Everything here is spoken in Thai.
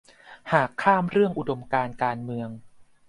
หากข้ามเรื่องอุดมการณ์การเมือง